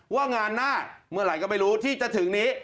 ว่างานหน้าเมื่อไหร่ก็ไม่รู้ที่จะถึงนี้